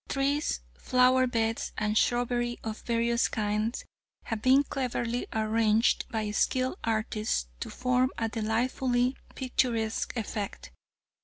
Trees, flower beds and shrubbery of various kinds have been cleverly arranged by skilled artists to form a delightfully picturesque effect.